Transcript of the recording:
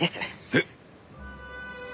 えっ！？